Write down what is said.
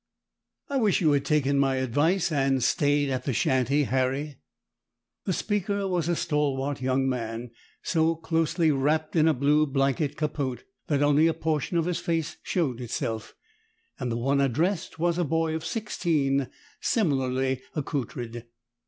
* "I wish you had taken my advice and stayed at the shanty, Harry." The speaker was a stalwart young man, so closely wrapped in a blue blanket capote that only a portion of his face showed itself, and the one addressed was a boy of sixteen, similarly accoutred.